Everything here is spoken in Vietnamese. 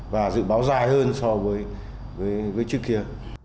và dự báo dài hơn so với trước kia